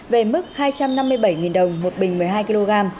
về mức hai trăm năm mươi bảy đồng một bình một mươi hai kg